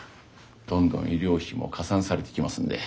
どんどん医療費も加算されてきますんで。